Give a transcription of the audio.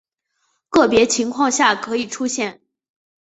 个别情况下可能出现。